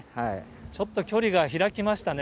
ちょっと距離が開きましたね。